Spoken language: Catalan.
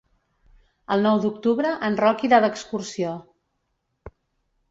El nou d'octubre en Roc irà d'excursió.